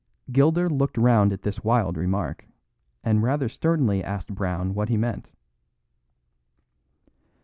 Gilder looked round at this wild remark, and rather sternly asked Brown what he meant.